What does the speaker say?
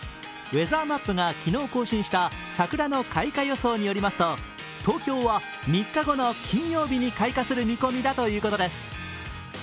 ウェザーマップが昨日更新した桜の開花予想によりますと東京は３日後の金曜日に開花する見込みだということです。